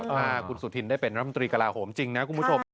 ถ้าคุณสุธินได้เป็นรัฐมนตรีกระลาโหมจริงนะคุณผู้ชม